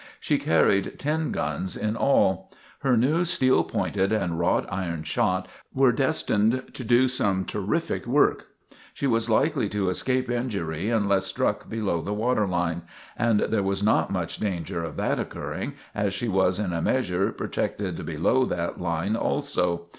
She carried ten guns in all. Her new steel pointed and wrought iron shot were destined to do some terrific work. She was likely to escape injury unless struck below the water line, and there was not much danger of that occurring as she was in a measure protected below that line also.